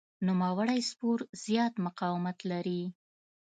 نوموړی سپور زیات مقاومت لري.